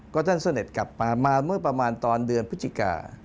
ก็ท่านเสด็จกลับมามาเมื่อประมาณตอนเดือนพฤศจิกา